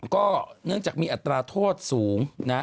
ก็เนื่องจากมีอัตราโทษสูงนะ